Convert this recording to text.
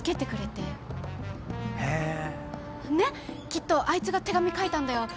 きっとあいつが手紙書いたんだよ。